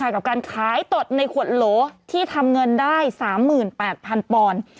กับการขายตดในขวดโหลที่ทำเงินได้๓๘๐๐๐ปอนด์